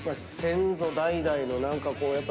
先祖代々の何かこう。